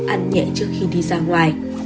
sáu ăn nhẹ trước khi đi ra ngoài